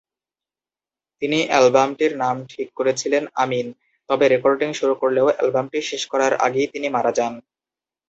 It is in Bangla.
তিনি অ্যালবামটির নাম ঠিক করেছিলেন "আমিন"; তবে রেকর্ডিং শুরু করলেও অ্যালবামটি শেষ করার আগেই তিনি মারা যান।